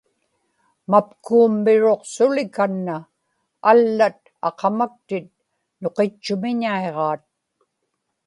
mapkuummiruqsuli kanna; allat aqamaktit nuqitchumiñaiġaat